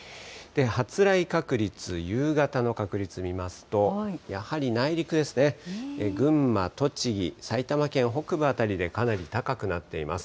発雷確率、夕方の確率見ますと、やはり内陸ですね、群馬、栃木、埼玉県北部辺りでかなり高くなっています。